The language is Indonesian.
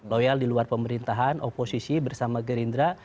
loyal di luar pemerintahan oposisi bersama gerindra